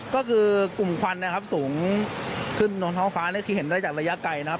ก็คือกลุ่มควันนะครับสูงขึ้นบนท้องฟ้านี่คือเห็นได้จากระยะไกลนะครับ